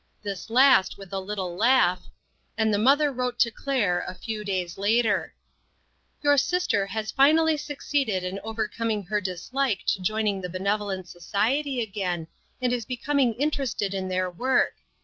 3O2 INTERRUPTED. This last with a little laugh, and the mother wrote to Claire a few days later: " Your sister has finally succeeded in overcoming her dislike to joining the be nevolent society again, and is becoming in terested in their work.